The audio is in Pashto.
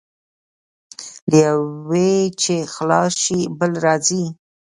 له یوه چې خلاص شې، بل راځي.